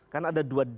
karena ada dua daripada